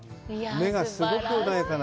目がすごく穏やかな。